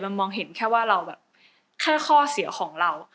มองเห็นแค่ว่าเราแบบแค่ข้อเสียของเรา